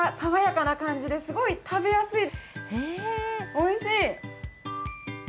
おいしい。